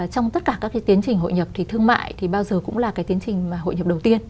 trong tất cả các cái tiến trình hội nhập thì thương mại thì bao giờ cũng là cái tiến trình mà hội nhập đầu tiên